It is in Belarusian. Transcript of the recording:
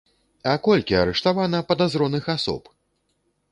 А колькі арыштавана падазроных асоб?!